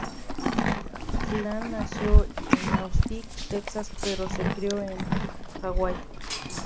Clay nació en Austin, Texas pero se crio en Hawaii.